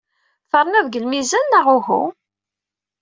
Terniḍ deg lmizan neɣ uhu?